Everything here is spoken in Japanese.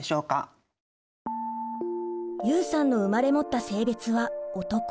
ユウさんの生まれ持った性別は男。